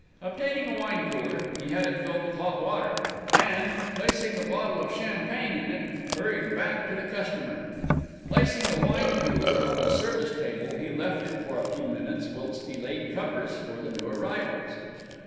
Obtaining a wine cooler, he had it filled with hot water and, placing the bottle of champagne in it, hurried back to the customer. Placing the wine cooler on a service table, he left it for a few minutes, whilst he laid covers for the new arrivals.